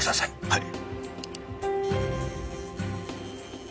はい。